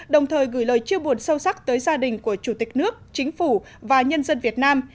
đồng thời gửi lời chia buồn sâu sắc tới gia đình của chủ tịch nước chính phủ và nhân dân việt nam